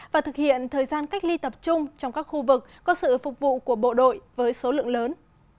và thực hiện thời gian cách ly tập trung trong các khu vực có sự phục vụ của bộ đội với số lượng lớn